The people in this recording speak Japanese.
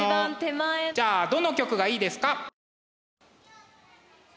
じゃあどの曲がいいですか？